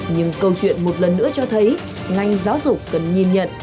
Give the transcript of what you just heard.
nhưng câu chuyện một lần nữa cho thấy ngành giáo dục cần nhìn nhận